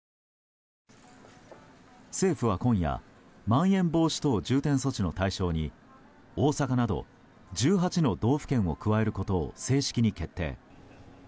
政府は今夜まん延防止等重点措置の対象に大阪など１８の道府県を加えることを正式に決定。